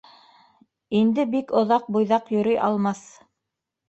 Инде бик оҙаҡ буйҙаҡ йөрөй алмаҫ.